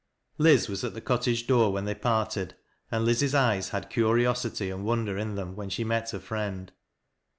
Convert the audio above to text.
Liz was at the cottage door when they pai ted, and Liz's eyes had curiosity and wouder'in them when she met Ler friend.